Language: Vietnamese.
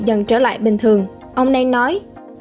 dần trở lại bình thường ông nen nói